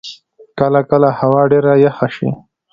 کله کله هوا ډېره یخه شی.